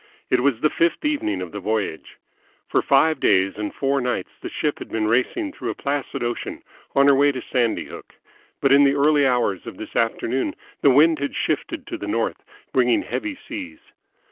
It was the fifth evening of the voyage. For five days and four nights the ship had been racing through a placid ocean on her way to Sandy Hook: but in the early hours of this afternoon the wind had shifted to the north, bringing heavy seas.